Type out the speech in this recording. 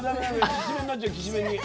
きしめんになっちゃうきしめんに。